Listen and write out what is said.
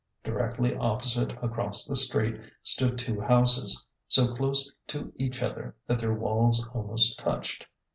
Directly opposite across the street stood two houses, so close to each other that their walls almost touched.